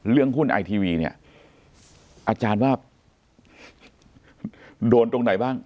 หุ้นไอทีวีเนี่ยอาจารย์ว่าโดนตรงไหนบ้าง